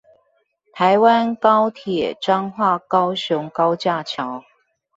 台灣高鐵彰化高雄高架橋